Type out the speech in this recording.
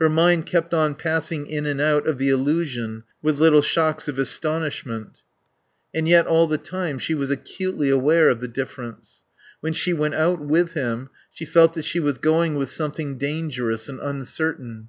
Her mind kept on passing in and out of the illusion with little shocks of astonishment. And yet all the time she was acutely aware of the difference. When she went out with him she felt that she was going with something dangerous and uncertain.